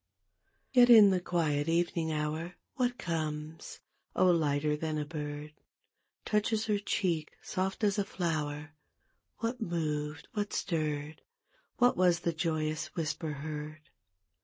Yet in the quiet evening hour What comes, oh, lighter than a bird? Touches her cheek, soft as a flower. What moved, what stirred? What was the joyous whisper heard?